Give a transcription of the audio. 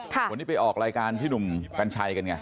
วันนี้ไปออกรายการพี่หนุ่มกัญชัยกันไง